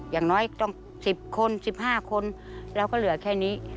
อย่างน้อยต้อง๑๐คน๑๕คนเราก็เหลือแค่นี้